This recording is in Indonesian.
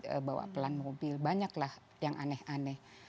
saya bawa pelan mobil banyak lah yang aneh aneh